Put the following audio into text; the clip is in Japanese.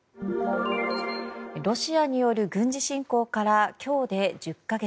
ロシアによる軍事侵攻から今日で１０か月。